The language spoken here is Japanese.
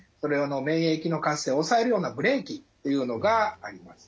免疫の活性抑えるようなブレーキっていうのがあります。